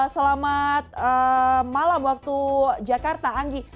selamat malam waktu jakarta anggi